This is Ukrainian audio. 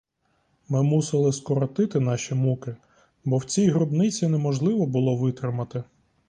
Ми мусили скоротити наші муки, бо в цій гробниці неможливо було витримати.